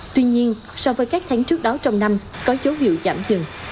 tuy nhiên so với các tháng trước đó trong năm có dấu hiệu giảm dừng